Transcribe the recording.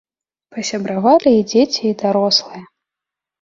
Пасябравалі і дзеці, і дарослыя.